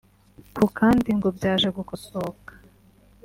ku kandi ngo byaje gukosoka